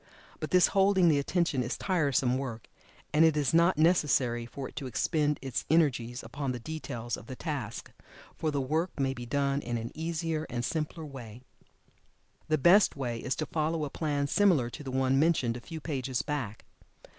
But this holding the attention is tiresome work, and it is not necessary for it to expend its energies upon the details of the task, for the work may be done in an easier and simpler way. The best way is to follow a plan similar to the one mentioned a few pages back.